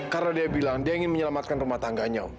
karena dia bilang dia ingin menyelamatkan rumah tangganya